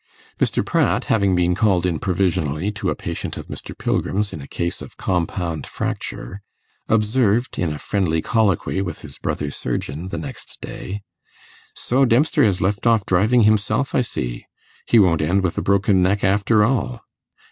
Mr. Pratt having been called in provisionally to a patient of Mr. Pilgrim's in a case of compound fracture, observed in a friendly colloquy with his brother surgeon the next day, 'So Dempster has left off driving himself, I see; he won't end with a broken neck after all.